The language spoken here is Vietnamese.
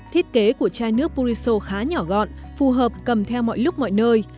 thiết kế của chai nước puriso khá nhỏ gọn phù hợp cầm theo mọi lúc mọi nơi